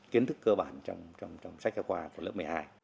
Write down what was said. kiến thức cơ bản trong sách kế hoạch của lớp một mươi hai